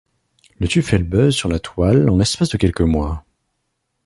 Le tube fait le buzz sur la toile en l'espace de quelques mois.